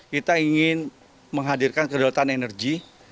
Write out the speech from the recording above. kita ingin menghadirkan kedaulatan energi